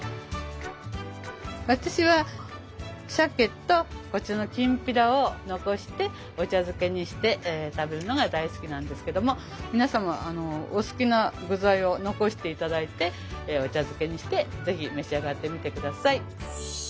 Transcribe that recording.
私はしゃけとこちらのきんぴらを残してお茶漬けにして食べるのが大好きなんですけども皆様お好きな具材を残して頂いてお茶漬けにして是非召し上がってみて下さい。